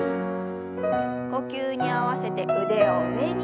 呼吸に合わせて腕を上に。